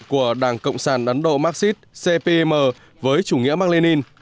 của đảng cộng sản ấn độ marxist cpim với chủ nghĩa mạc lê ninh